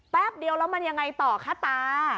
แป๊บเดียวแล้วมันยังไงต่อคะตา